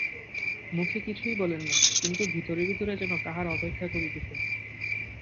মুখে কিছুই বলেন না, কিন্তু ভিতরে ভিতরে যেন কাহার অপেক্ষা করিতেছেন।